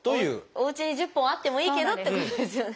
おうちに１０本あってもいいけどってことですよね。